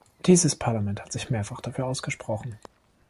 Dieses Parlament hat sich mehrfach dafür ausgesprochen.